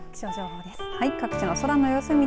では気象情報です。